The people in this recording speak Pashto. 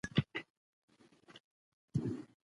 ځمکه وچه شوې ده.